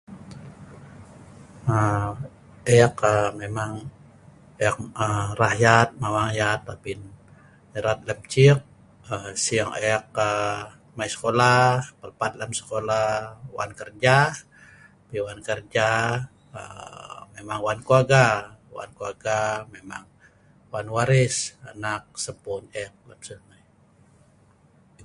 mau, eek um memang eek um rah yaat mawang yaat abin erat lem ciek um sieng eek um mai skolah, pelpat lem skolah wan kerja, pi wan kerja um memang wan keluarga wan keluarga memang wan waris anak sempuen eek lem siew hnai.